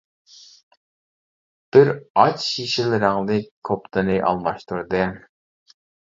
بىر ئاچ يېشىل رەڭلىك كوپتىنى ئالماشتۇردى.